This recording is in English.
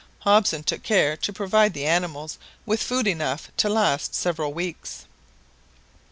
Hobson took care to provide the animals with food enough to last several weeks.